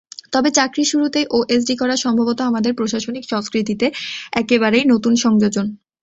তবে চাকরির শুরুতেই ওএসডি করা সম্ভবত আমাদের প্রশাসনিক সংস্কৃতিতে একেবারেই নতুন সংযোজন।